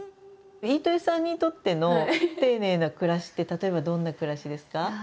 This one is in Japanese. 飯豊さんにとっての丁寧な暮らしって例えばどんな暮らしですか？